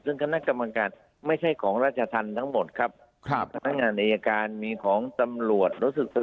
ซึ่งคณะกรรมการไม่ใช่ของราชธรรมทั้งหมดครับครับมีของตำรวจ